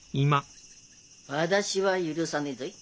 私は許さねぞい。